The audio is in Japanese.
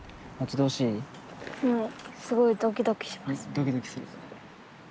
ドキドキする。